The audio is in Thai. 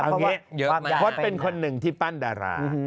เพราะว่าฟัดเป็นคนหนึ่งที่ปั้นดารา